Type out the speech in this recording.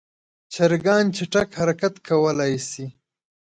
چرګان چټک حرکت کولی شي.